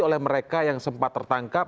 oleh mereka yang sempat tertangkap